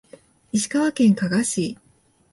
石川県加賀市